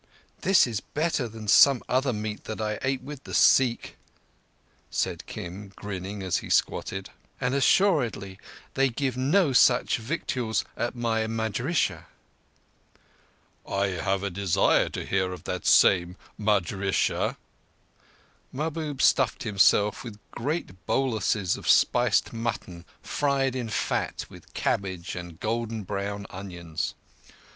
"This is better than some other meat that I ate with the Sikh," said Kim, grinning as he squatted, "and assuredly they give no such victuals at my madrissah." "I have a desire to hear of that same madrissah." Mahbub stuffed himself with great boluses of spiced mutton fried in fat with cabbage and golden brown onions.